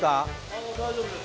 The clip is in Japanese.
あっ大丈夫です。